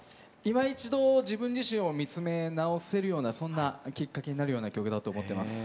いま一度自分自身を見つめ直せるようなそんなきっかけになるような曲だと思ってます。